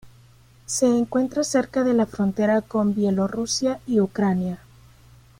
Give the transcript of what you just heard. Se encuentra cerca de las frontera con Bielorrusia y Ucrania.